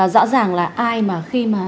rõ ràng là ai mà khi mà